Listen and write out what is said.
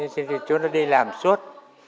thì chúng nó đi làm suốt